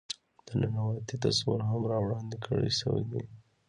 د ننواتې تصور هم را وړاندې کړے شوے دے.